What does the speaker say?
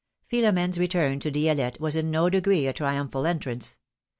Philom^ne's return to Di^lette was in no degree a triumphal entrance.